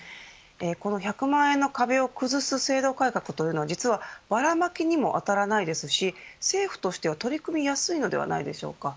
この１００万円の壁を崩す制度改革というのは実はばらまきにも当たらないですし政府として取り組みやすいのではないでしょうか。